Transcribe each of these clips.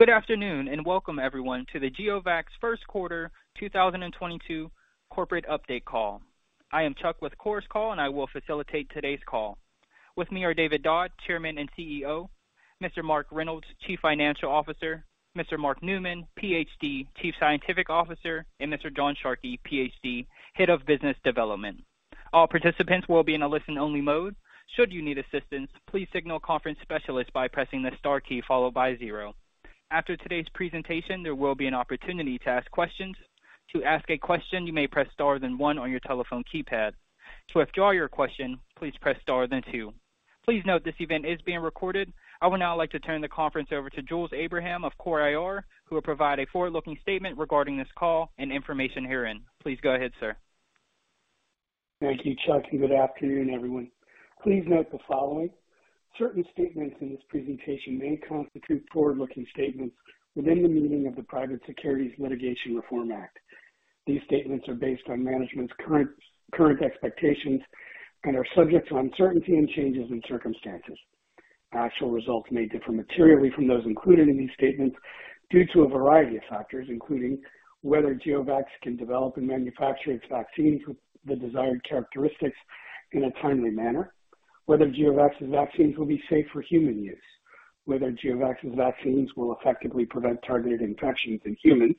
Good afternoon, and welcome everyone to the GeoVax first quarter 2022 corporate update call. I am Chuck with Chorus Call, and I will facilitate today's call. With me are David Dodd, Chairman and CEO, Mr. Mark Reynolds, Chief Financial Officer, Mr. Mark Newman, PhD, Chief Scientific Officer, and Mr. John Sharkey, PhD, Head of Business Development. All participants will be in a listen-only mode. Should you need assistance, please signal conference specialist by pressing the star key followed by zero. After today's presentation, there will be an opportunity to ask questions. To ask a question, you may press Star then 1 on your telephone keypad. To withdraw your question, please press Star then 2. Please note this event is being recorded. I would now like to turn the conference over to Jules Abraham of CORE IR, who will provide a forward-looking statement regarding this call and information herein. Please go ahead, sir. Thank you, Chuck, and good afternoon, everyone. Please note the following. Certain statements in this presentation may constitute forward-looking statements within the meaning of the Private Securities Litigation Reform Act. These statements are based on management's current expectations and are subject to uncertainty and changes in circumstances. Actual results may differ materially from those included in these statements due to a variety of factors, including whether GeoVax can develop and manufacture its vaccines with the desired characteristics in a timely manner, whether GeoVax's vaccines will be safe for human use, whether GeoVax's vaccines will effectively prevent targeted infections in humans,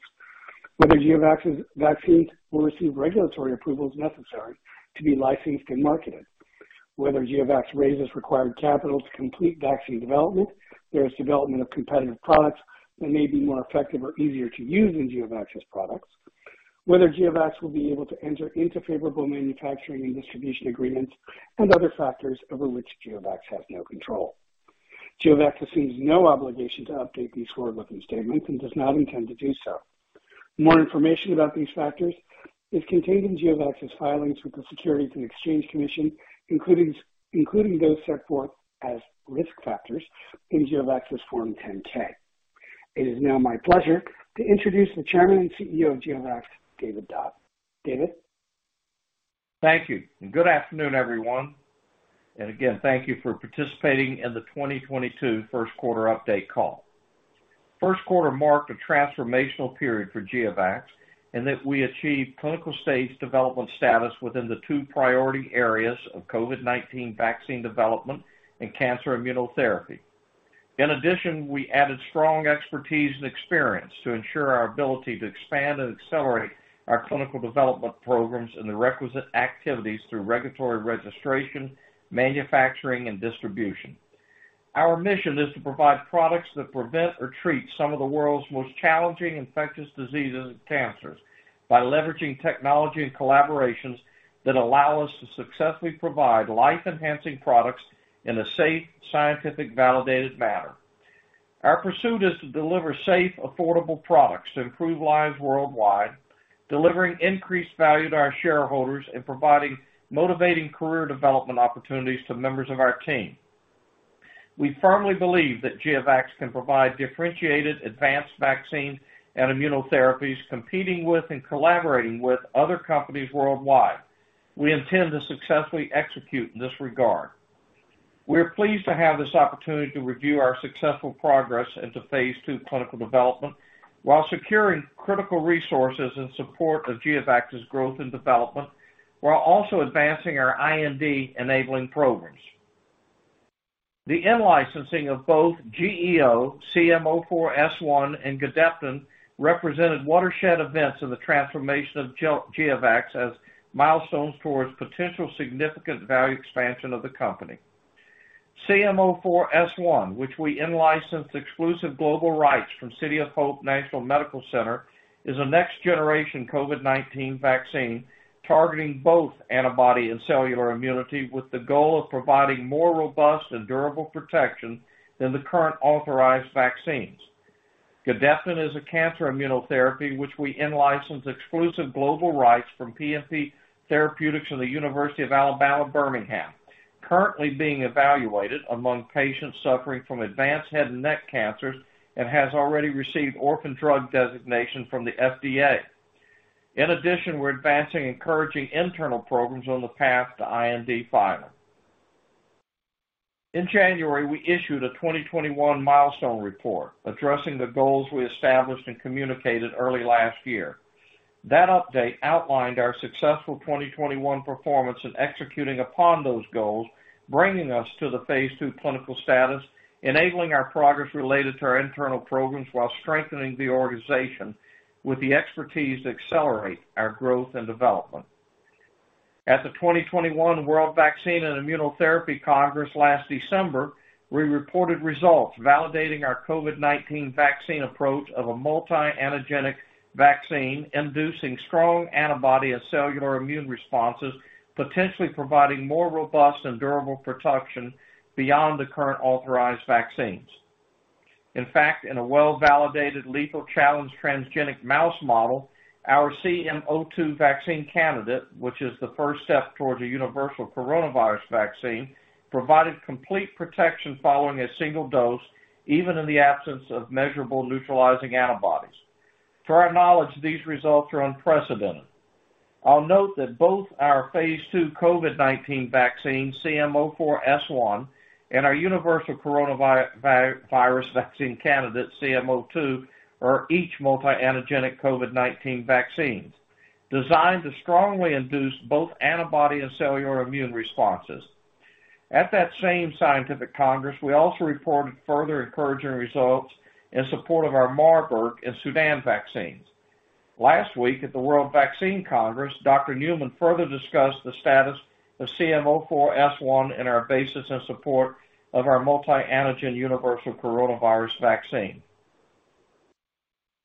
whether GeoVax's vaccines will receive regulatory approvals necessary to be licensed and marketed, whether GeoVax raises required capital to complete vaccine development, there is development of competitive products that may be more effective or easier to use than GeoVax's products, whether GeoVax will be able to enter into favorable manufacturing and distribution agreements, and other factors over which GeoVax has no control. GeoVax assumes no obligation to update these forward-looking statements and does not intend to do so. More information about these factors is contained in GeoVax's filings with the Securities and Exchange Commission, including those set forth as risk factors in GeoVax's Form 10-K. It is now my pleasure to introduce the Chairman and CEO of GeoVax, David Dodd. David? Thank you. Good afternoon, everyone. Again, thank you for participating in the 2022 first quarter update call. First quarter marked a transformational period for GeoVax in that we achieved clinical stage development status within the two priority areas of COVID-19 vaccine development and cancer immunotherapy. In addition, we added strong expertise and experience to ensure our ability to expand and accelerate our clinical development programs and the requisite activities through regulatory registration, manufacturing, and distribution. Our mission is to provide products that prevent or treat some of the world's most challenging infectious diseases and cancers by leveraging technology and collaborations that allow us to successfully provide life-enhancing products in a safe, scientific, validated manner. Our pursuit is to deliver safe, affordable products to improve lives worldwide, delivering increased value to our shareholders and providing motivating career development opportunities to members of our team. We firmly believe that GeoVax can provide differentiated advanced vaccines and immunotherapies competing with and collaborating with other companies worldwide. We intend to successfully execute in this regard. We are pleased to have this opportunity to review our successful progress into phase II clinical development while securing critical resources in support of GeoVax's growth and development, while also advancing our IND-enabling programs. The in-licensing of both GEO-CM04S1 and Gedeptin represented watershed events in the transformation of GeoVax as milestones towards potential significant value expansion of the company. CM04S1, which we in-licensed exclusive global rights from City of Hope National Medical Center, is a next-generation COVID-19 vaccine targeting both antibody and cellular immunity with the goal of providing more robust and durable protection than the current authorized vaccines. Gedeptin is a cancer immunotherapy which we in-licensed exclusive global rights from PNP Therapeutics in the University of Alabama at Birmingham, currently being evaluated among patients suffering from advanced head and neck cancers and has already received orphan drug designation from the FDA. In addition, we're advancing encouraging internal programs on the path to IND filing. In January, we issued a 2021 milestone report addressing the goals we established and communicated early last year. That update outlined our successful 2021 performance in executing upon those goals, bringing us to the phase II clinical status, enabling our progress related to our internal programs while strengthening the organization with the expertise to accelerate our growth and development. At the 2021 World Vaccine & Immunotherapy Congress last December, we reported results validating our COVID-19 vaccine approach of a multi-antigenic vaccine inducing strong antibody and cellular immune responses, potentially providing more robust and durable protection beyond the current authorized vaccines. In fact, in a well-validated lethal challenge transgenic mouse model, our CM02 vaccine candidate, which is the first step towards a universal coronavirus vaccine, provided complete protection following a single dose, even in the absence of measurable neutralizing antibodies. To our knowledge, these results are unprecedented. I'll note that both our phase II COVID-19 vaccine, CM04S1, and our universal coronavirus vaccine candidate, GEO-CM02, are each multi-antigenic COVID-19 vaccines designed to strongly induce both antibody and cellular immune responses. At that same scientific congress, we also reported further encouraging results in support of our Marburg and Sudan vaccines. Last week at the World Vaccine Congress, Dr. Newman further discussed the status of GEO-CM04S1 and our basis and support of our multi-antigen universal coronavirus vaccine.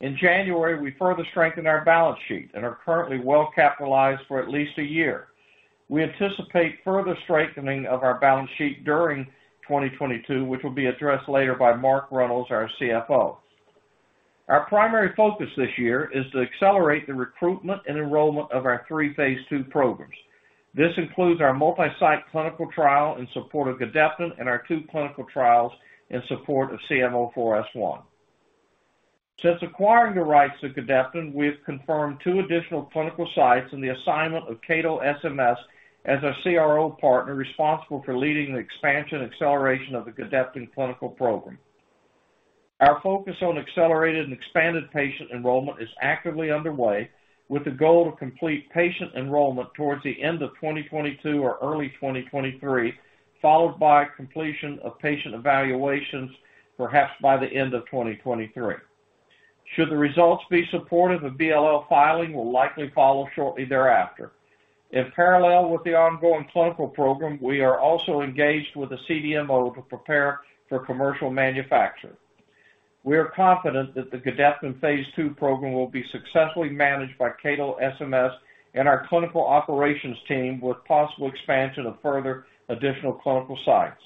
In January, we further strengthened our balance sheet and are currently well-capitalized for at least a year. We anticipate further strengthening of our balance sheet during 2022, which will be addressed later by Mark Reynolds, our CFO. Our primary focus this year is to accelerate the recruitment and enrollment of our three phase II programs. This includes our multi-site clinical trial in support of Gedeptin and our two clinical trials in support of GEO-CM04S1. Since acquiring the rights to Gedeptin, we have confirmed two additional clinical sites in the assignment of CATO SMS as our CRO partner responsible for leading the expansion and acceleration of the Gedeptin clinical program. Our focus on accelerated and expanded patient enrollment is actively underway, with the goal to complete patient enrollment towards the end of 2022 or early 2023, followed by completion of patient evaluations perhaps by the end of 2023. Should the results be supportive, a BLA filing will likely follow shortly thereafter. In parallel with the ongoing clinical program, we are also engaged with the CDMO to prepare for commercial manufacture. We are confident that the Gedeptin phase II program will be successfully managed by CATO SMS and our clinical operations team, with possible expansion of further additional clinical sites.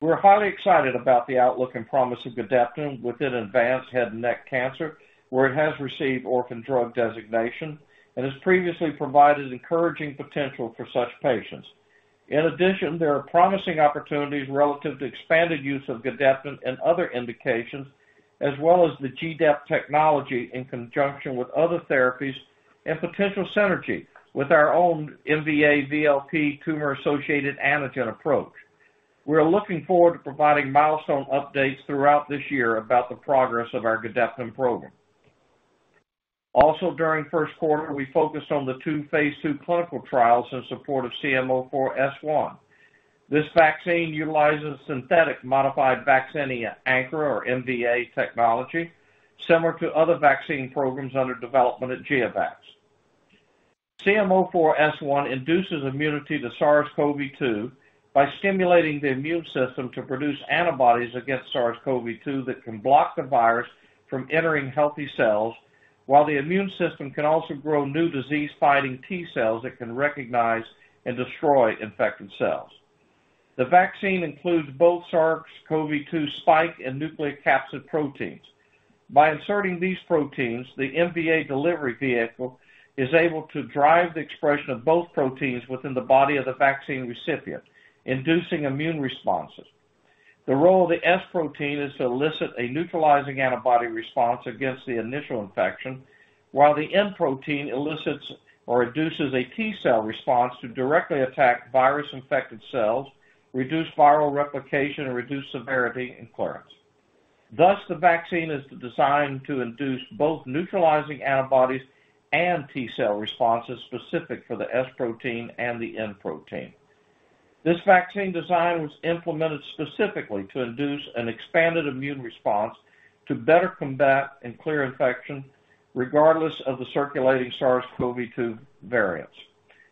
We are highly excited about the outlook and promise of Gedeptin within advanced head and neck cancer, where it has received orphan drug designation and has previously provided encouraging potential for such patients. In addition, there are promising opportunities relative to expanded use of Gedeptin in other indications, as well as the GDEP technology in conjunction with other therapies and potential synergy with our own MVA-VLP tumor-associated antigen approach. We are looking forward to providing milestone updates throughout this year about the progress of our Gedeptin program. Also during first quarter, we focused on the 2 phase II clinical trials in support of GEO-CM04S1. This vaccine utilizes synthetic Modified Vaccinia Ankara or MVA technology, similar to other vaccine programs under development at GeoVax. GEO-CM04S1 induces immunity to SARS-CoV-2 by stimulating the immune system to produce antibodies against SARS-CoV-2 that can block the virus from entering healthy cells, while the immune system can also grow new disease-fighting T cells that can recognize and destroy infected cells. The vaccine includes both SARS-CoV-2 spike and nucleocapsid proteins. By inserting these proteins, the MVA delivery vehicle is able to drive the expression of both proteins within the body of the vaccine recipient, inducing immune responses. The role of the S protein is to elicit a neutralizing antibody response against the initial infection, while the N protein elicits or induces a T cell response to directly attack virus-infected cells, reduce viral replication, and reduce severity and clearance. Thus, the vaccine is designed to induce both neutralizing antibodies and T cell responses specific for the S protein and the N protein. This vaccine design was implemented specifically to induce an expanded immune response to better combat and clear infection regardless of the circulating SARS-CoV-2 variants.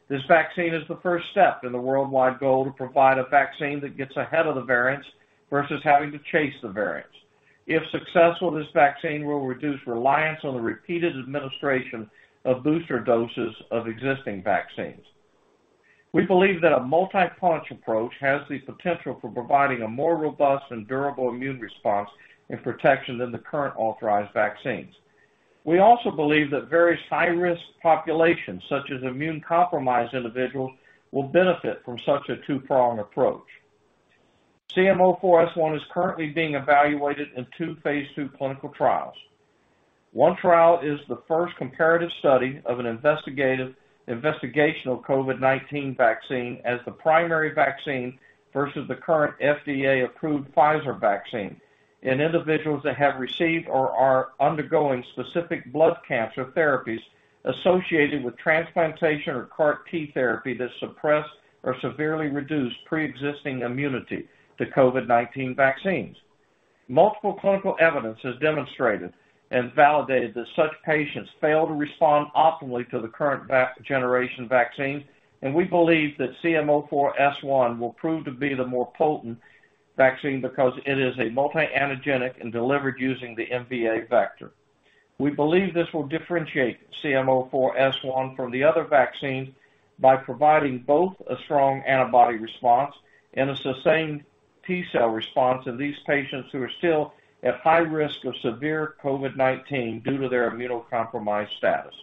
This vaccine is the first step in the worldwide goal to provide a vaccine that gets ahead of the variants versus having to chase the variants. If successful, this vaccine will reduce reliance on the repeated administration of booster doses of existing vaccines. We believe that a multi-pronged approach has the potential for providing a more robust and durable immune response and protection than the current authorized vaccines. We also believe that various high-risk populations, such as immune-compromised individuals, will benefit from such a two-pronged approach. GEO-CM04S1 is currently being evaluated in two phase II clinical trials. One trial is the first comparative study of an investigational COVID-19 vaccine as the primary vaccine versus the current FDA-approved Pfizer vaccine in individuals that have received or are undergoing specific blood cancer therapies associated with transplantation or CAR T therapy that suppress or severely reduce pre-existing immunity to COVID-19 vaccines. Multiple clinical evidence has demonstrated and validated that such patients fail to respond optimally to the current generation vaccines, and we believe that GEO-CM04S1 will prove to be the more potent vaccine because it is a multi-antigenic and delivered using the MVA vector. We believe this will differentiate GEO-CM04S1 from the other vaccines by providing both a strong antibody response and a sustained T cell response in these patients who are still at high risk of severe COVID-19 due to their immunocompromised status.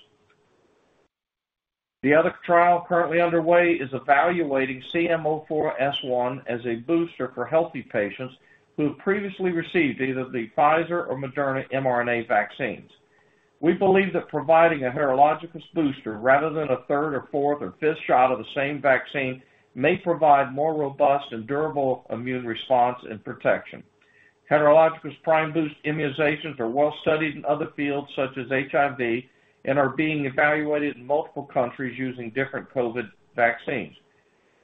The other trial currently underway is evaluating GEO-CM04S1 as a booster for healthy patients who have previously received either the Pfizer or Moderna mRNA vaccines. We believe that providing a heterologous booster rather than a third or fourth or fifth shot of the same vaccine may provide more robust and durable immune response and protection. Heterologous prime boost immunizations are well studied in other fields such as HIV and are being evaluated in multiple countries using different COVID vaccines.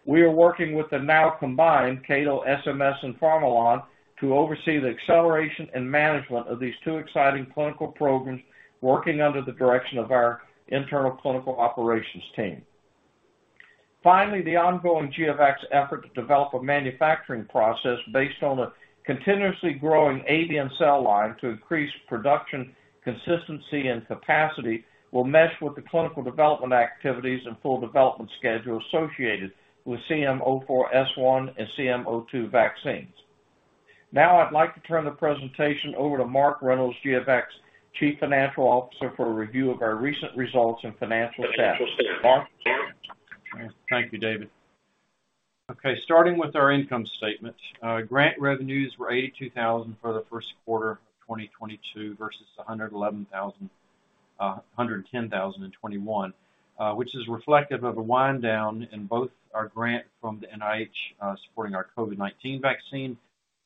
We are working with the now combined CATO SMS and Pharm-Olam to oversee the acceleration and management of these two exciting clinical programs working under the direction of our internal clinical operations team. Finally, the ongoing GeoVax effort to develop a manufacturing process based on a continuously growing avian cell line to increase production consistency and capacity will mesh with the clinical development activities and full development schedule associated with GEO-CM04S1 and GEO-CM02 vaccines. Now I'd like to turn the presentation over to Mark Reynolds, GeoVax Chief Financial Officer, for a review of our recent results and financial status. Mark? Thank you, David. Okay, starting with our income statement. Grant revenues were $82,000 for the first quarter of 2022 versus $110,000 in 2021, which is reflective of a wind down in both our grant from the NIH supporting our COVID-19 vaccine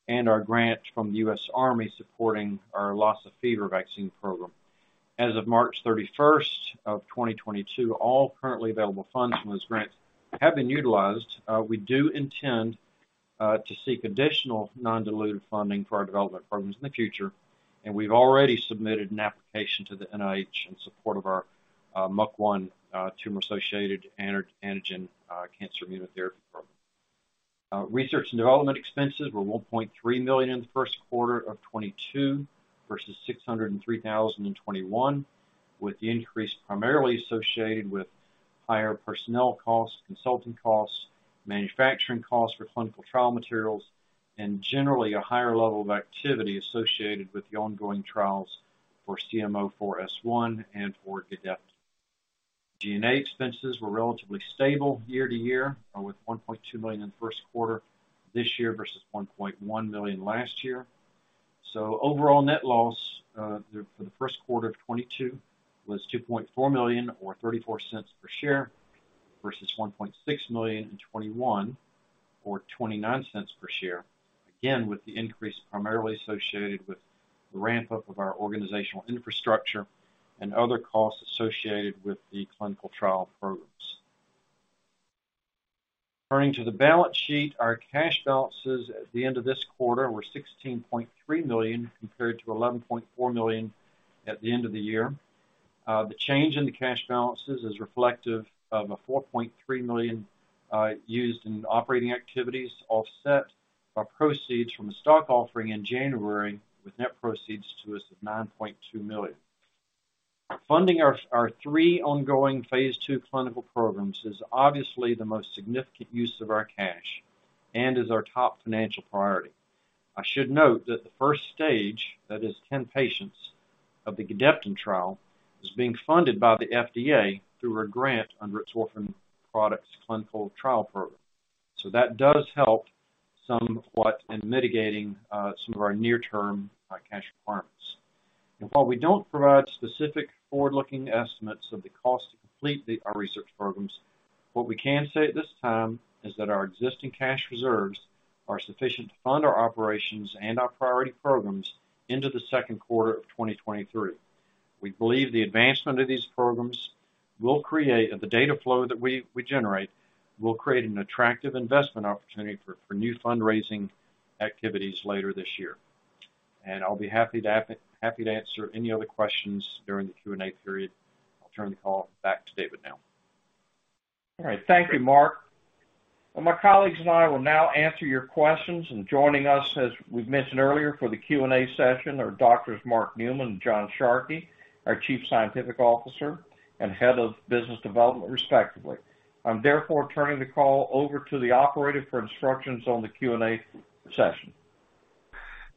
and our grant from the U.S. Army supporting our Lassa fever vaccine program. As of March 31, 2022, all currently available funds from this grant have been utilized. We do intend to seek additional non-dilutive funding for our development programs in the future, and we've already submitted an application to the NIH in support of our MUC1 tumor associated antigen cancer immunotherapy program. Research and development expenses were $1.3 million in the first quarter of 2022 versus $603 thousand in 2021, with the increase primarily associated with higher personnel costs, consulting costs, manufacturing costs for clinical trial materials, and generally a higher level of activity associated with the ongoing trials for GEO-CM04S1 and for Gedeptin. G&A expenses were relatively stable year to year, with $1.2 million in the first quarter this year versus $1.1 million last year. Overall net loss for the first quarter of 2022 was $2.4 million or $0.34 per share versus $1.6 million in 2021 or $0.29 per share. Again, with the increase primarily associated with the ramp up of our organizational infrastructure and other costs associated with the clinical trial programs. Turning to the balance sheet, our cash balances at the end of this quarter were $16.3 million, compared to $11.4 million at the end of the year. The change in the cash balances is reflective of a $4.3 million used in operating activities to offset our proceeds from the stock offering in January, with net proceeds to us of $9.2 million. Funding our three ongoing phase II clinical programs is obviously the most significant use of our cash and is our top financial priority. I should note that the first stage, that is 10 patients, of the Gedeptin trial is being funded by the FDA through a grant under its Orphan Products Clinical Trials Grants Program. That does help somewhat in mitigating some of our near-term cash requirements. While we don't provide specific forward-looking estimates of the cost to complete our research programs, what we can say at this time is that our existing cash reserves are sufficient to fund our operations and our priority programs into the second quarter of 2023. We believe the advancement of these programs will create the data flow that we generate will create an attractive investment opportunity for new fundraising activities later this year. I'll be happy to answer any other questions during the Q&A period. I'll turn the call back to David now. All right. Thank you, Mark. Well, my colleagues and I will now answer your questions. Joining us, as we've mentioned earlier, for the Q&A session are Doctors Mark Newman and John Sharkey, our Chief Scientific Officer and Head of Business Development, respectively. I'm therefore turning the call over to the operator for instructions on the Q&A session.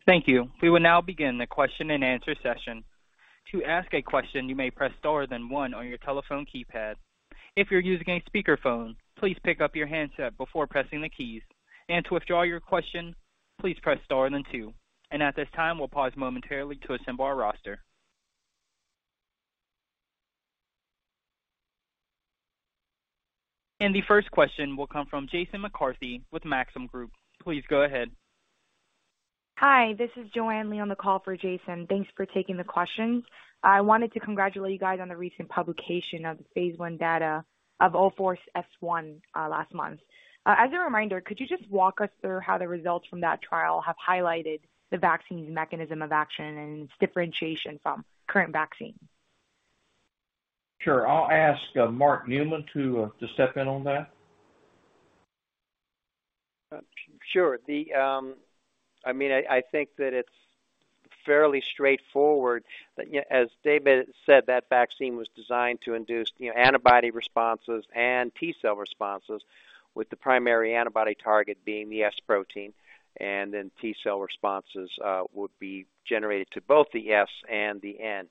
Thank you. We will now begin the question-and-answer session. To ask a question, you may press star then 1 on your telephone keypad. If you're using a speakerphone, please pick up your handset before pressing the keys. To withdraw your question, please press star then 2. At this time, we'll pause momentarily to assemble our roster. The first question will come from Jason McCarthy with Maxim Group. Please go ahead. Hi, this is Joanne Lee on the call for Jason. Thanks for taking the questions. I wanted to congratulate you guys on the recent publication of the phase I data of 04S1 last month. As a reminder, could you just walk us through how the results from that trial have highlighted the vaccine's mechanism of action and its differentiation from current vaccines? Sure. I'll ask Mark Newman to step in on that. Sure. I mean, I think that it's. Fairly straightforward. As David said, that vaccine was designed to induce, you know, antibody responses and T-cell responses, with the primary antibody target being the S protein. Then T-cell responses would be generated to both the S and the N.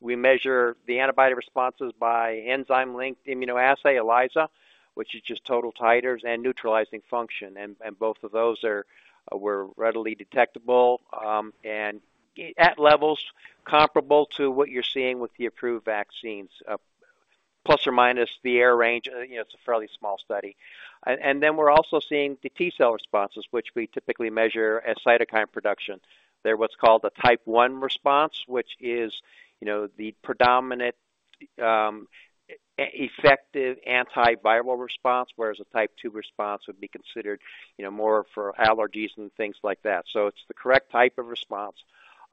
We measure the antibody responses by enzyme-linked immunoassay, ELISA, which is just total titers and neutralizing function. Both of those were readily detectable, and at levels comparable to what you're seeing with the approved vaccines, plus or minus the error range. You know, it's a fairly small study. We're also seeing the T-cell responses, which we typically measure as cytokine production. They're what's called a type one response, which is, you know, the predominant, effective antiviral response, whereas a type two response would be considered, you know, more for allergies and things like that. It's the correct type of response.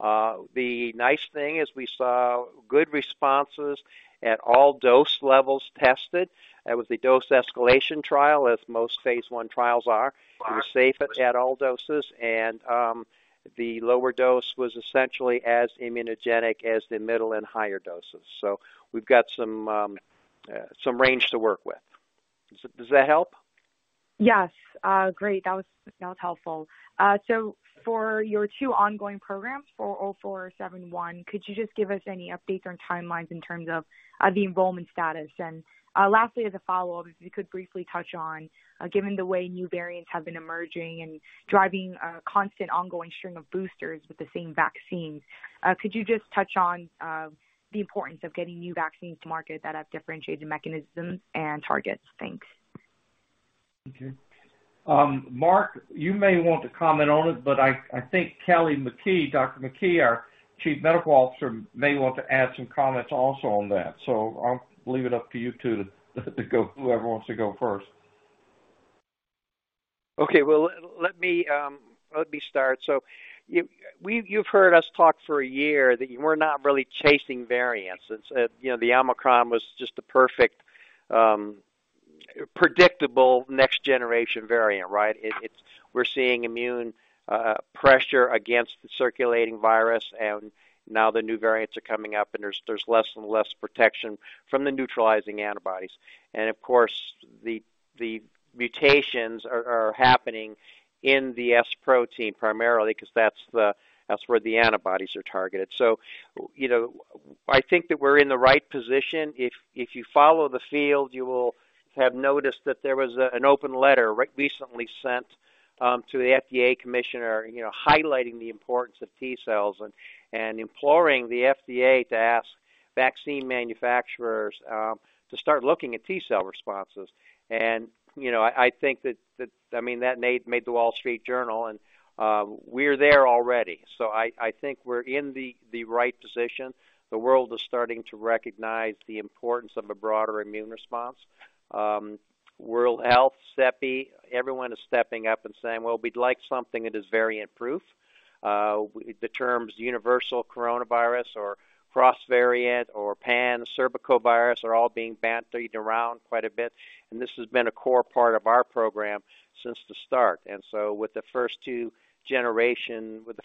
The nice thing is we saw good responses at all dose levels tested. It was a dose escalation trial, as most phase I trials are. It was safe at all doses and, the lower dose was essentially as immunogenic as the middle and higher doses. We've got some range to work with. Does that help? Yes. Great. That was helpful. For your two ongoing programs, GEO-CM04S1, could you just give us any updates on timelines in terms of the enrollment status? Lastly, as a follow-up, if you could briefly touch on given the way new variants have been emerging and driving a constant ongoing string of boosters with the same vaccines, could you just touch on the importance of getting new vaccines to market that have differentiated mechanisms and targets? Thanks. Okay. Mark, you may want to comment on it, but I think Kelly McKee, Dr. McKee, our Chief Medical Officer, may want to add some comments also on that. I'll leave it up to you two to go, whoever wants to go first. Okay. Well, let me start. You've heard us talk for a year that we're not really chasing variants. It's you know the Omicron was just the perfect predictable next generation variant right? We're seeing immune pressure against the circulating virus, and now the new variants are coming up, and there's less and less protection from the neutralizing antibodies. Of course the mutations are happening in the S protein primarily 'cause that's where the antibodies are targeted. You know I think that we're in the right position. If you follow the field, you will have noticed that there was an open letter recently sent to the FDA commissioner you know highlighting the importance of T-cells and imploring the FDA to ask vaccine manufacturers to start looking at T-cell responses. You know, I think that—I mean, that made the Wall Street Journal, and we're there already. I think we're in the right position. The world is starting to recognize the importance of a broader immune response. World Health, CEPI, everyone is stepping up and saying, "Well, we'd like something that is variant proof." The terms universal coronavirus or cross-variant or pan-Sarbecovirus are all being bandied around quite a bit, and this has been a core part of our program since the start. With the first generation, with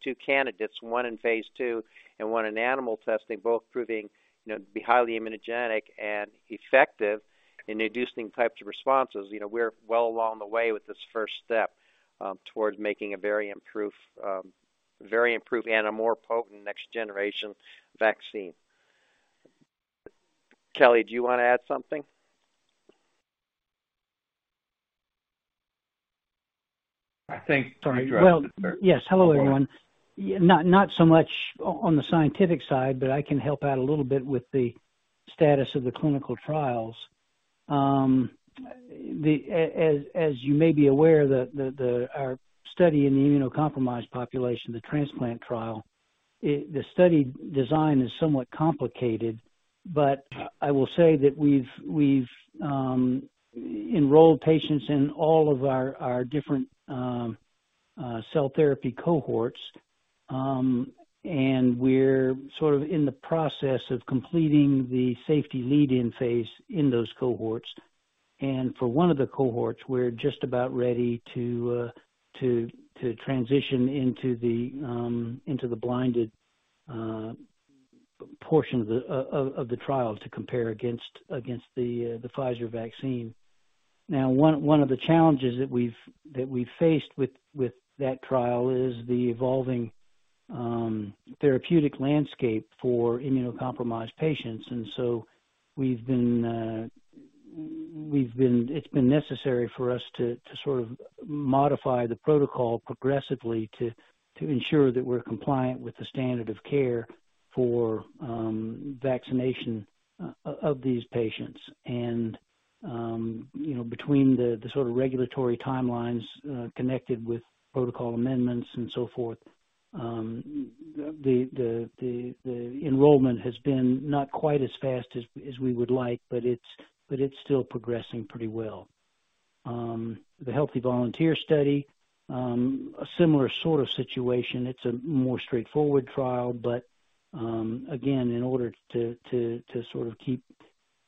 two candidates, one in phase II and one in animal testing, both proving to be highly immunogenic and effective in inducing types of responses, you know, we're well along the way with this first step towards making a variant-proof and a more potent next-generation vaccine. Kelly, do you wanna add something? I think. Sorry. Well, yes. Hello, everyone. Not so much on the scientific side, but I can help out a little bit with the status of the clinical trials. As you may be aware, our study in the immunocompromised population, the transplant trial, the study design is somewhat complicated. I will say that we've enrolled patients in all of our different cell therapy cohorts. We're sort of in the process of completing the safety lead-in phase in those cohorts. For one of the cohorts, we're just about ready to transition into the blinded portion of the trial to compare against the Pfizer vaccine. Now, one of the challenges that we've faced with that trial is the evolving therapeutic landscape for immunocompromised patients. It's been necessary for us to sort of modify the protocol progressively to ensure that we're compliant with the standard of care for vaccination of these patients. You know, between the sort of regulatory timelines connected with protocol amendments and so forth, the enrollment has been not quite as fast as we would like, but it's still progressing pretty well. The healthy volunteer study, a similar sort of situation. It's a more straightforward trial, but again, in order to sort of keep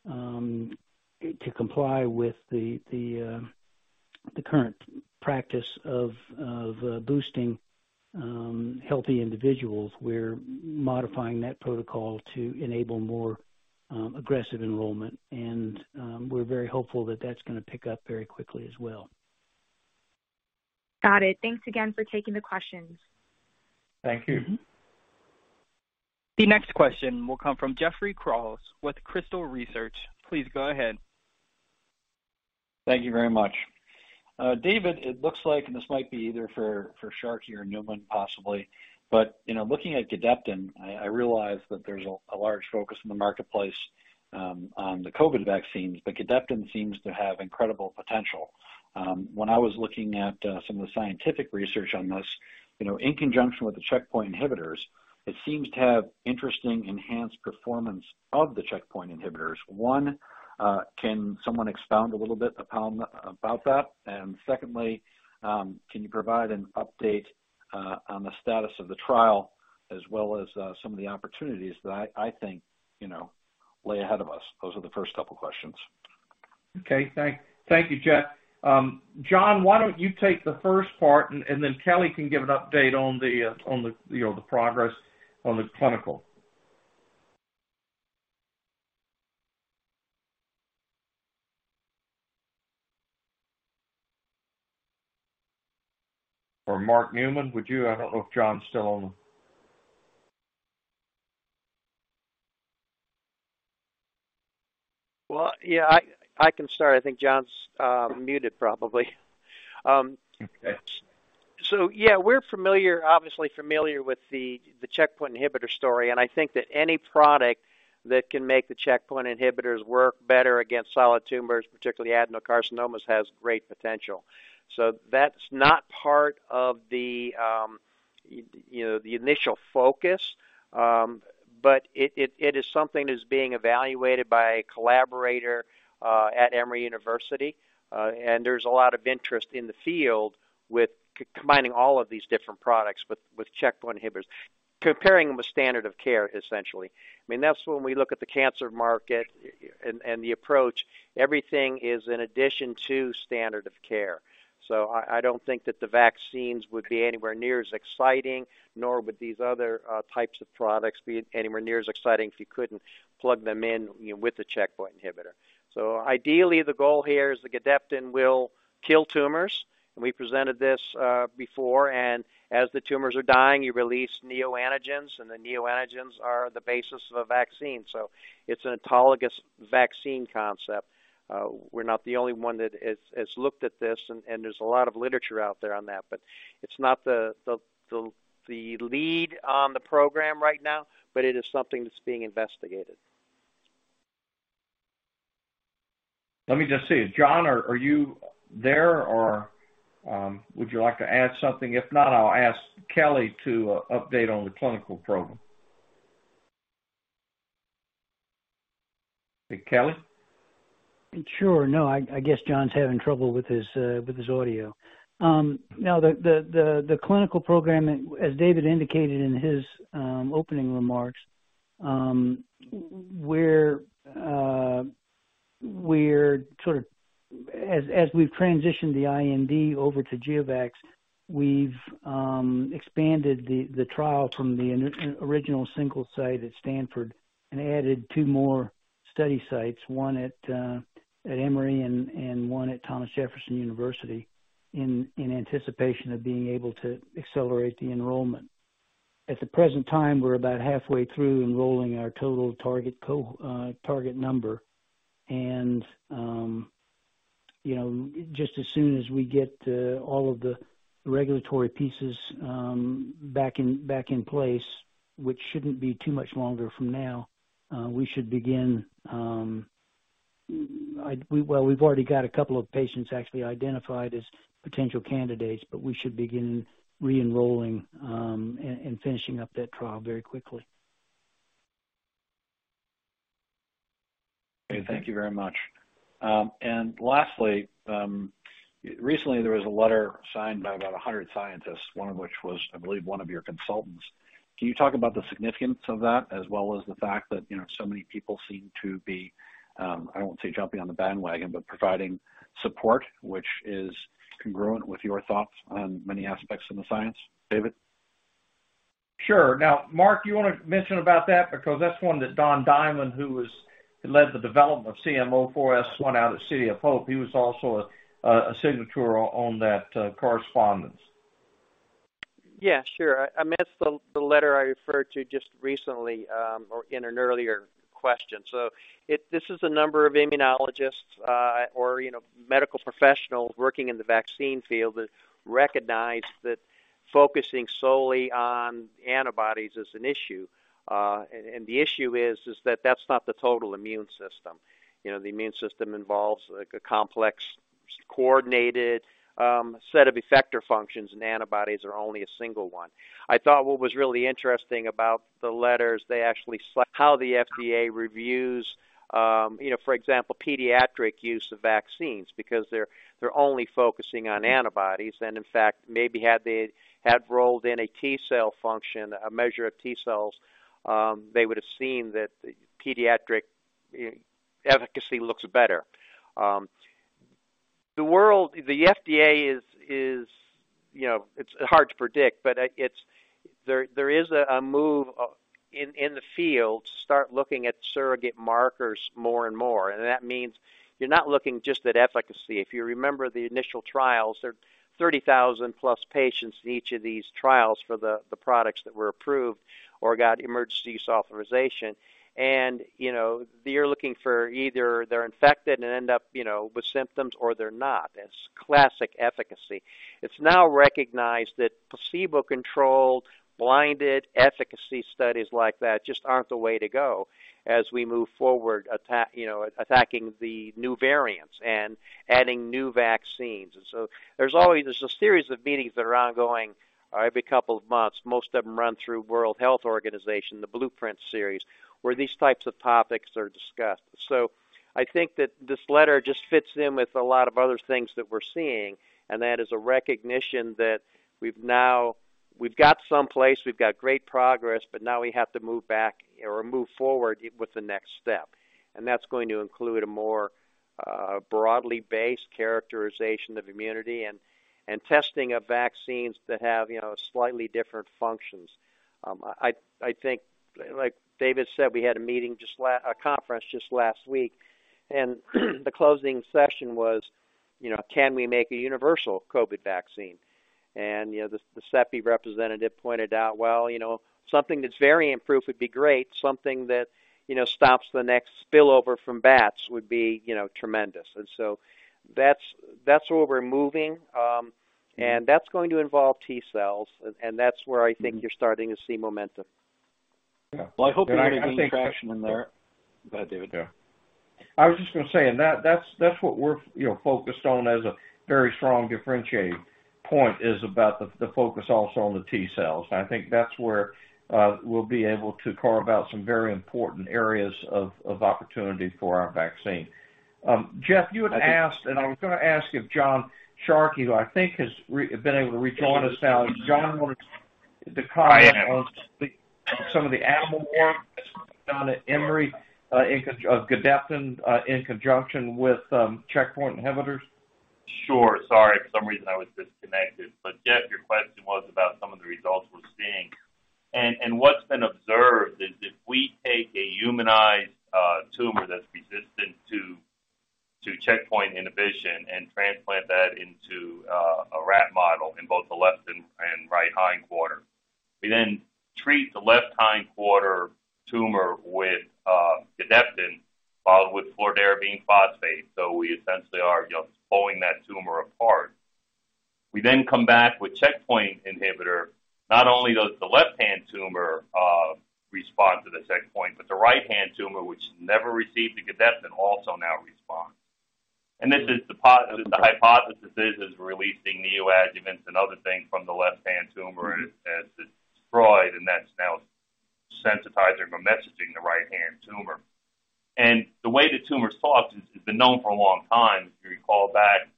up to comply with the current practice of boosting healthy individuals. We're modifying that protocol to enable more, aggressive enrollment. We're very hopeful that that's gonna pick up very quickly as well. Got it. Thanks again for taking the questions. Thank you. Mm-hmm. The next question will come from Jeffrey Kraws with Crystal Research. Please go ahead. Thank you very much. David, it looks like, and this might be either for Sharkey or Newman possibly, but you know, looking at Gedeptin, I realize that there's a large focus in the marketplace on the COVID vaccines, but Gedeptin seems to have incredible potential. When I was looking at some of the scientific research on this, you know, in conjunction with the checkpoint inhibitors, it seems to have interesting enhanced performance of the checkpoint inhibitors. Can someone expound a little bit upon about that? Secondly, can you provide an update on the status of the trial as well as some of the opportunities that I think, you know, lay ahead of us? Those are the first couple questions. Okay. Thank you, Jeff. John, why don't you take the first part and then Kelly can give an update on the, you know, the progress on the clinical. Or Mark Newman, would you? I don't know if John's still on the. Well, yeah, I can start. I think John's muted probably. Okay. Yeah, we're familiar, obviously familiar with the checkpoint inhibitor story. I think that any product that can make the checkpoint inhibitors work better against solid tumors, particularly adenocarcinomas, has great potential. That's not part of the you know the initial focus. It is something that's being evaluated by a collaborator at Emory University. There's a lot of interest in the field with combining all of these different products with checkpoint inhibitors. Comparing them with standard of care, essentially. I mean, that's when we look at the cancer market and the approach, everything is in addition to standard of care. I don't think that the vaccines would be anywhere near as exciting, nor would these other types of products be anywhere near as exciting if you couldn't plug them in, you know, with the checkpoint inhibitor. Ideally, the goal here is the Gedeptin will kill tumors, and we presented this before. As the tumors are dying, you release neoantigens, and the neoantigens are the basis of a vaccine. It's an autologous vaccine concept. We're not the only one that has looked at this and there's a lot of literature out there on that. But it's not the lead on the program right now, but it is something that's being investigated. Let me just see. John, are you there or would you like to add something? If not, I'll ask Kelly to update on the clinical program. Kelly? Sure. No, I guess John's having trouble with his audio. No. The clinical program, as David indicated in his opening remarks, we're sort of. As we've transitioned the IND over to GeoVax, we've expanded the trial from the original single site at Stanford and added two more study sites, one at Emory and one at Thomas Jefferson University in anticipation of being able to accelerate the enrollment. At the present time, we're about halfway through enrolling our total target number. You know, just as soon as we get all of the regulatory pieces back in place, which shouldn't be too much longer from now, we should begin. Well, we've already got a couple of patients actually identified as potential candidates, but we should begin re-enrolling and finishing up that trial very quickly. Okay. Thank you very much. Lastly, recently there was a letter signed by about 100 scientists, one of which was, I believe, one of your consultants. Can you talk about the significance of that as well as the fact that, you know, so many people seem to be, I don't want to say jumping on the bandwagon, but providing support which is congruent with your thoughts on many aspects of the science? David. Sure. Now, Mark, you wanna mention about that? Because that's one that Don Diamond, who led the development of GEO-CM04S1 out at City of Hope. He was also a signatory on that correspondence. Yeah, sure. I meant the letter I referred to just recently, or in an earlier question. This is a number of immunologists, or, you know, medical professionals working in the vaccine field that recognize that focusing solely on antibodies is an issue. The issue is that that's not the total immune system. You know, the immune system involves like a complex, coordinated set of effector functions, and antibodies are only a single one. I thought what was really interesting about the letters, how the FDA reviews, you know, for example, pediatric use of vaccines because they're only focusing on antibodies. In fact, maybe had they rolled in a T cell function, a measure of T-cells, they would have seen that the pediatric efficacy looks better. The FDA is, you know, it's hard to predict, but, it's. There is a move in the field to start looking at surrogate markers more and more. That means you're not looking just at efficacy. If you remember the initial trials, there are 30,000+ patients in each of these trials for the products that were approved or got emergency use authorization. You know, they're looking for either they're infected and end up, you know, with symptoms or they're not. That's classic efficacy. It's now recognized that placebo-controlled, blinded efficacy studies like that just aren't the way to go as we move forward, you know, attacking the new variants and adding new vaccines. There's always this series of meetings that are ongoing every couple of months. Most of them run through World Health Organization, the Blueprint series, where these types of topics are discussed. I think that this letter just fits in with a lot of other things that we're seeing, and that is a recognition that we've now we've got someplace, we've got great progress, but now we have to move back or move forward with the next step. That's going to include a more broadly based characterization of immunity and testing of vaccines that have you know slightly different functions. I think, like David said, we had a meeting just a conference just last week, and the closing session was you know can we make a universal COVID vaccine? You know the CEPI representative pointed out, well you know something that's variant-proof would be great. Something that, you know, stops the next spillover from bats would be, you know, tremendous. That's where we're moving, and that's going to involve T cells, and that's where I think you're starting to see momentum. Yeah. Well, I hope you're gonna gain traction in there. Go ahead, David. I was just gonna say, that's what we're, you know, focused on as a very strong differentiating point is about the focus also on the T cells. I think that's where we'll be able to carve out some very important areas of opportunity for our vaccine. Jeff, you had asked, and I was gonna ask if John Sharkey, who I think has been able to rejoin us now. John wanted to comment on some of the animal work done at Emory in Gedeptin in conjunction with checkpoint inhibitors. Sure. Sorry, for some reason I was disconnected. Jeff, your question was about some of the results we're seeing. What's been observed is if we take a humanized tumor that's resistant to checkpoint inhibition and transplant that into a rat model in both the left and right hindquarter. We then treat the left hindquarter tumor with Gedeptin with fludarabine phosphate. We essentially are, you know, pulling that tumor apart. We then come back with checkpoint inhibitor. Not only does the left-hand tumor respond to this checkpoint, but the right-hand tumor, which never received the Gedeptin, also now responds. This is the hypothesis is releasing neoantigens and other things from the left-hand tumor as it's destroyed, and that's now sensitizing or messaging the right-hand tumor. The way the tumor's thought is it's been known for a long time. If you recall back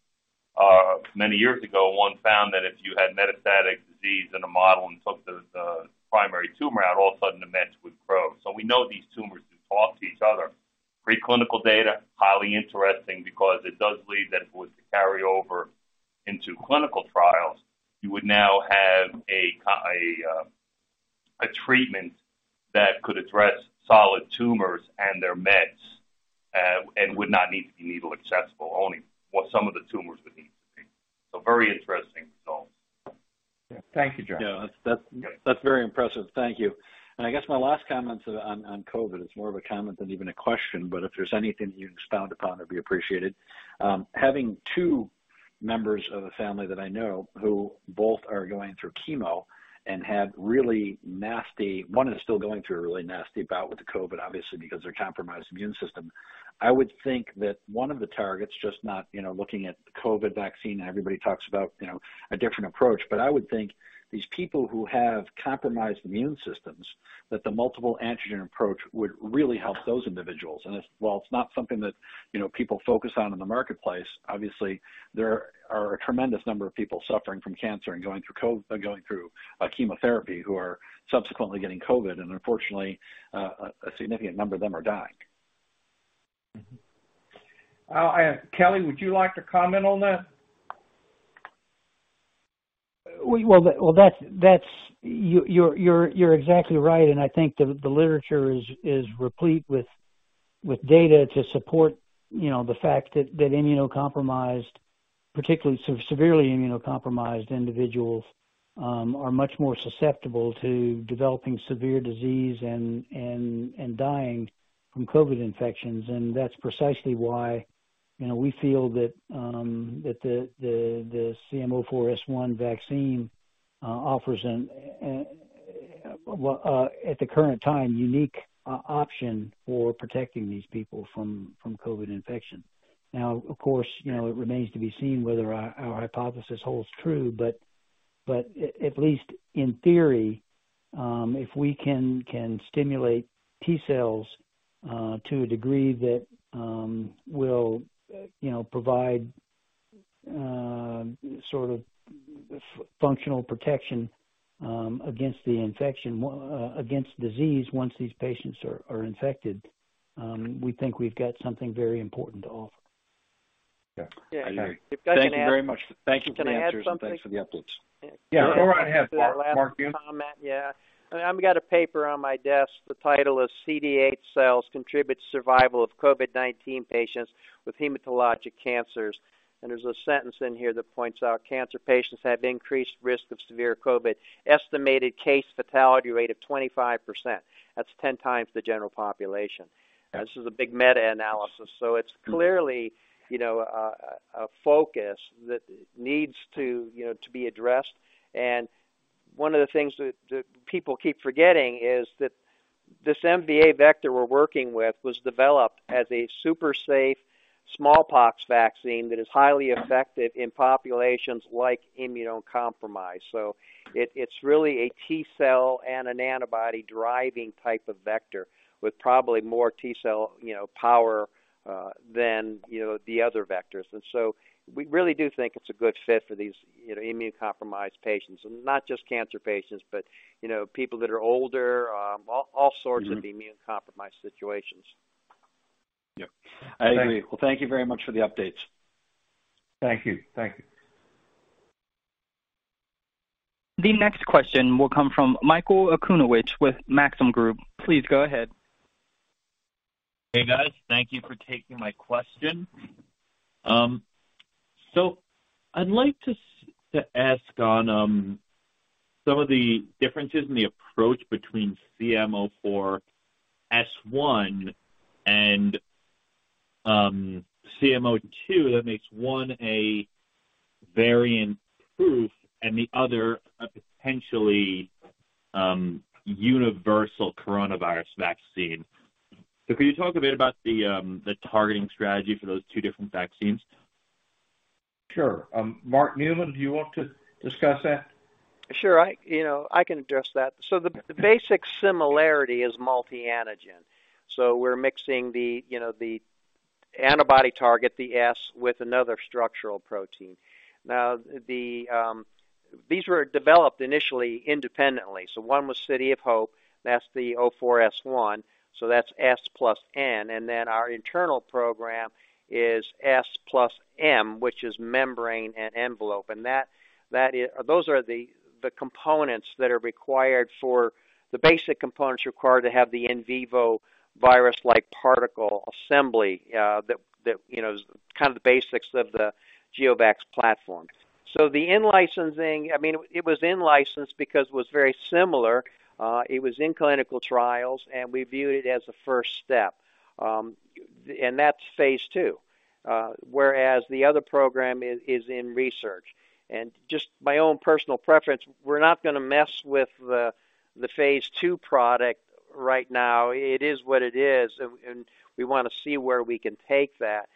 many years ago, one found that if you had metastatic disease in a model and took the primary tumor out, all of a sudden the mets would grow. We know these tumors do talk to each other. Preclinical data highly interesting because it does lead that if it was to carry over into clinical trials, you would now have a treatment that could address solid tumors and their mets, and would not need to be needle accessible only what some of the tumors would need to be. Very interesting results. Thank you, John. Yeah. That's very impressive. Thank you. I guess my last comment on COVID, it's more of a comment than even a question, but if there's anything you expound upon, it'd be appreciated. Having two members of a family that I know who both are going through chemo and had really nasty. One is still going through a really nasty bout with the COVID, obviously because of their compromised immune system. I would think that one of the targets, just not, you know, looking at the COVID vaccine, everybody talks about, you know, a different approach. I would think these people who have compromised immune systems, that the multiple antigen approach would really help those individuals. While it's not something that, you know, people focus on in the marketplace, obviously there are a tremendous number of people suffering from cancer and going through chemotherapy who are subsequently getting COVID, and unfortunately, a significant number of them are dying. Mm-hmm. Kelly, would you like to comment on that? Well, that's. You're exactly right. I think the literature is replete with data to support, you know, the fact that immunocompromised, particularly severely immunocompromised individuals, are much more susceptible to developing severe disease and dying from COVID infections. That's precisely why, you know, we feel that the GEO-CM04S1 vaccine offers, well, at the current time, unique option for protecting these people from COVID infection. Now, of course, you know, it remains to be seen whether our hypothesis holds true, but at least in theory, if we can stimulate T cells to a degree that will, you know, provide. Sort of functional protection against the infection against disease once these patients are infected, we think we've got something very important to offer. Yeah. I agree. Yeah. Thank you very much. Thank you for the answers. Can I add something? Thanks for the updates. Yeah. Go right ahead, Mark. Mark, yeah. Last comment. Yeah. I've got a paper on my desk. The title is CD8 cells contribute to survival of COVID-19 patients with hematologic cancers. There's a sentence in here that points out cancer patients have increased risk of severe COVID, estimated case fatality rate of 25%. That's ten times the general population. This is a big meta-analysis. It's clearly, you know, a focus that needs to, you know, to be addressed. One of the things that people keep forgetting is that this MVA vector we're working with was developed as a super safe smallpox vaccine that is highly effective in populations like immunocompromised. It's really a T cell and an antibody-driving type of vector with probably more T cell, you know, power than, you know, the other vectors. We really do think it's a good fit for these, you know, immunocompromised patients, and not just cancer patients, but, you know, people that are older. Mm-hmm. immunocompromised situations. Yeah. I agree. Well, thank you very much for the updates. Thank you. Thank you. The next question will come from Michael Okunewitch with Maxim Group. Please go ahead. Hey, guys. Thank you for taking my question. I'd like to ask on some of the differences in the approach between GEO-CM04S1 and GEO-CM02 that makes one a variant-proof and the other a potentially universal coronavirus vaccine. Could you talk a bit about the targeting strategy for those two different vaccines? Sure. Mark Newman, do you want to discuss that? Sure. You know, I can address that. The basic similarity is multi-antigen. We're mixing the, you know, the antibody target, the S, with another structural protein. Now, these were developed initially independently. One was City of Hope, that's the GEO-CM04S1, so that's S plus N. And then our internal program is S plus M, which is membrane and envelope. And that is. Those are the components that are required for the basic components required to have the in vivo virus-like particle assembly, that you know, is kind of the basics of the GeoVax platform. The in-licensing, I mean, it was in-licensed because it was very similar, it was in clinical trials, and we view it as a first step. And that's phase II, whereas the other program is in research. Just my own personal preference, we're not gonna mess with the phase II product right now. It is what it is, and we wanna see where we can take that.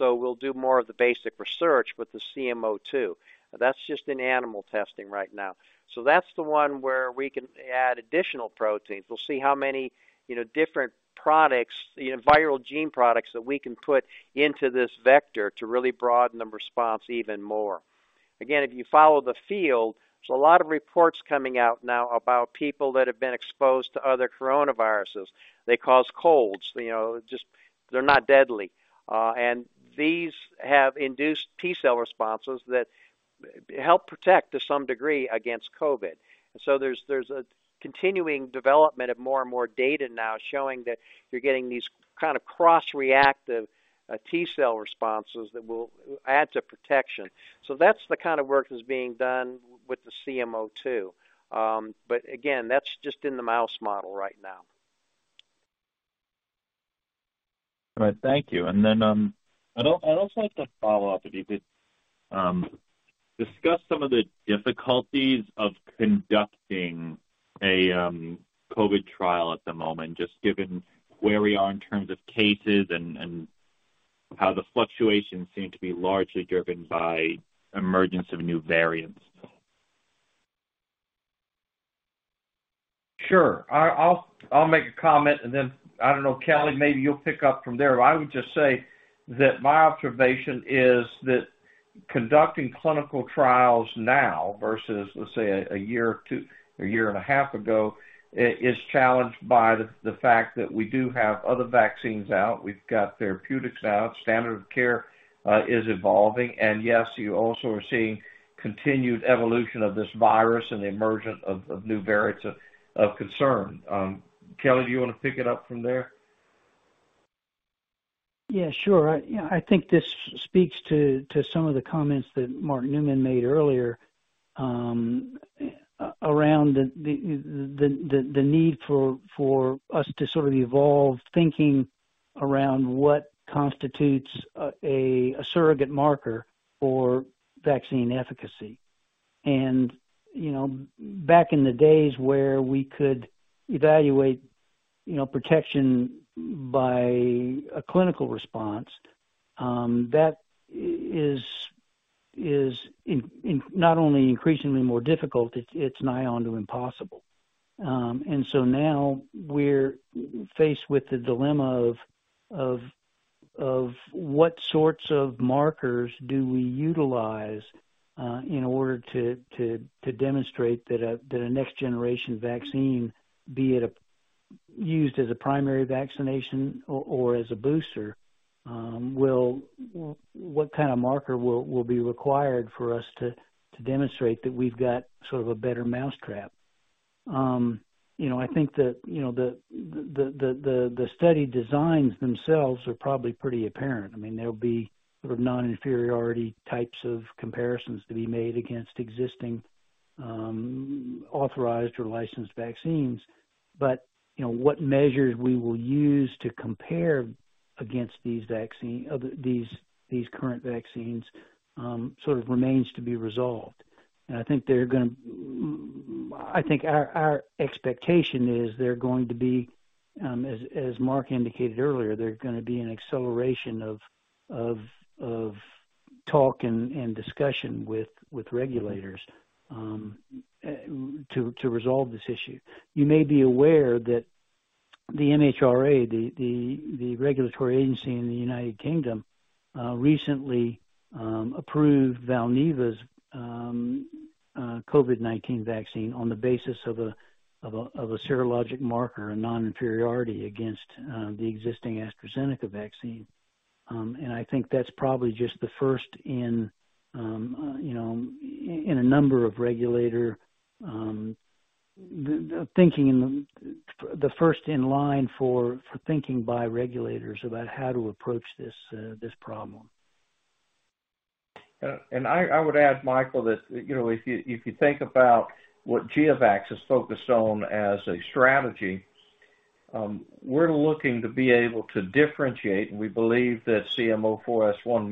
We'll do more of the basic research with the GEO-CM02. That's just in animal testing right now. That's the one where we can add additional proteins. We'll see how many, you know, different products, you know, viral gene products that we can put into this vector to really broaden the response even more. Again, if you follow the field, there's a lot of reports coming out now about people that have been exposed to other coronaviruses. They cause colds, you know, just they're not deadly. And these have induced T-cell responses that help protect to some degree against COVID. There's a continuing development of more and more data now showing that you're getting these kind of cross-reactive T-cell responses that will add to protection. That's the kind of work that's being done with the GEO-CM02. Again, that's just in the mouse model right now. All right. Thank you. I'd also like to follow up if you could discuss some of the difficulties of conducting a COVID trial at the moment, just given where we are in terms of cases and how the fluctuations seem to be largely driven by emergence of new variants. Sure. I'll make a comment, and then, I don't know, Kelly, maybe you'll pick up from there. I would just say that my observation is that conducting clinical trials now versus, let's say, a year and a half ago, is challenged by the fact that we do have other vaccines out. We've got therapeutics out. Standard of care is evolving. Yes, you also are seeing continued evolution of this virus and the emergence of new variants of concern. Kelly, do you wanna pick it up from there? Yeah, sure. You know, I think this speaks to some of the comments that Mark Newman made earlier, around the need for us to sort of evolve thinking around what constitutes a surrogate marker for vaccine efficacy. You know, back in the days where we could evaluate, you know, protection by a clinical response, that is not only increasingly more difficult, it's nigh onto impossible. Now we're faced with the dilemma of what sorts of markers do we utilize, in order to demonstrate that a next generation vaccine, be it used as a primary vaccination or as a booster, will. What kind of marker will be required for us to demonstrate that we've got sort of a better mousetrap? You know, I think that, you know, the study designs themselves are probably pretty apparent. I mean, they'll be sort of non-inferiority types of comparisons to be made against existing, authorized or licensed vaccines. You know, what measures we will use to compare against these current vaccines sort of remains to be resolved. I think our expectation is they're going to be, as Mark indicated earlier, an acceleration of talk and discussion with regulators to resolve this issue. You may be aware that the MHRA, the regulatory agency in the United Kingdom, recently approved Valneva's COVID-19 vaccine on the basis of a serologic marker, a non-inferiority against the existing AstraZeneca vaccine. I think that's probably just the first in you know in a number of regulatory thinking, the first in line for thinking by regulators about how to approach this problem. I would add, Michael, that, you know, if you think about what GeoVax is focused on as a strategy, we're looking to be able to differentiate, and we believe that GEO-CM04S1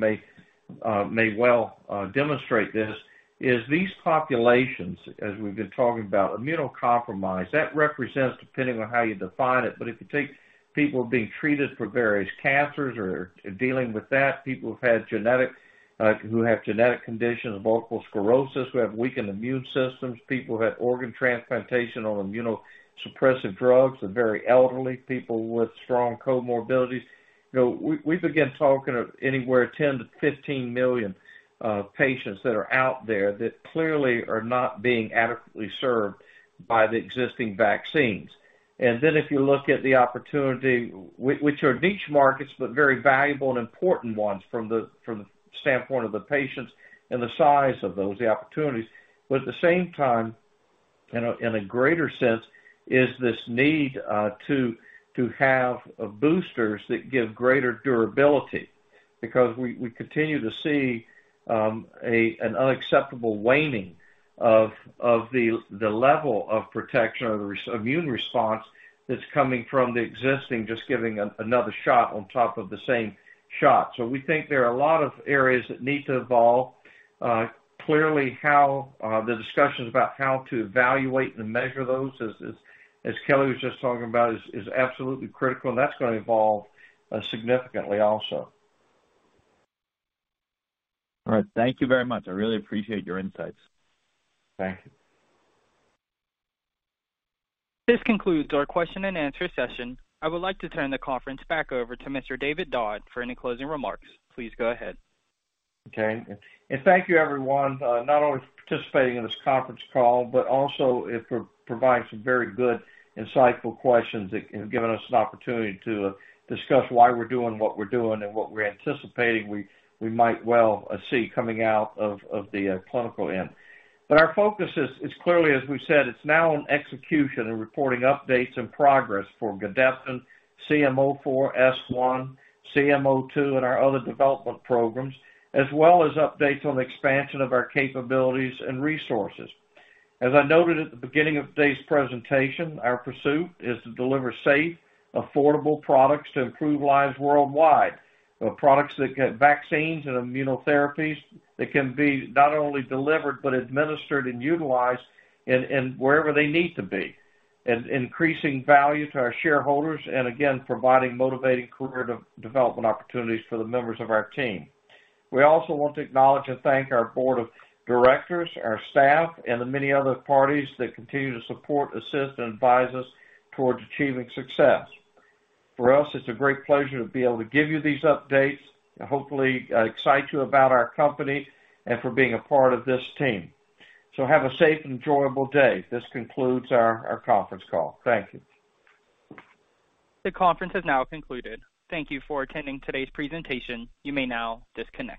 may well demonstrate this in these populations, as we've been talking about, immunocompromised, that represents depending on how you define it, but if you take people being treated for various cancers or dealing with that, people who have genetic conditions, multiple sclerosis, who have weakened immune systems, people who have organ transplantation on immunosuppressive drugs and very elderly people with strong comorbidities. You know, we begin talking of anywhere 10-15 million patients that are out there that clearly are not being adequately served by the existing vaccines. If you look at the opportunity, which are niche markets, but very valuable and important ones from the standpoint of the patients and the size of those opportunities. At the same time, in a greater sense, is this need to have boosters that give greater durability because we continue to see an unacceptable waning of the level of protection or the immune response that's coming from the existing just giving another shot on top of the same shot. We think there are a lot of areas that need to evolve. Clearly, how the discussions about how to evaluate and measure those, as Kelly was just talking about, is absolutely critical, and that's gonna evolve significantly also. All right. Thank you very much. I really appreciate your insights. Thank you. This concludes our question and answer session. I would like to turn the conference back over to Mr. David Dodd for any closing remarks. Please go ahead. Okay. Thank you, everyone, not only for participating in this conference call, but also if we're providing some very good insightful questions that have given us an opportunity to discuss why we're doing what we're doing and what we're anticipating we might well see coming out of the clinical end. Our focus is clearly, as we've said, it's now on execution and reporting updates and progress for Gedeptin, GEO-CM04S1, GEO-CM02, and our other development programs, as well as updates on the expansion of our capabilities and resources. As I noted at the beginning of today's presentation, our pursuit is to deliver safe, affordable products to improve lives worldwide. The products that get vaccines and immunotherapies that can be not only delivered but administered and utilized in wherever they need to be. Increasing value to our shareholders and again, providing motivating career development opportunities for the members of our team. We also want to acknowledge and thank our board of directors, our staff, and the many other parties that continue to support, assist, and advise us towards achieving success. For us, it's a great pleasure to be able to give you these updates and hopefully, excite you about our company and for being a part of this team. Have a safe and enjoyable day. This concludes our conference call. Thank you. The conference has now concluded. Thank you for attending today's presentation. You may now disconnect.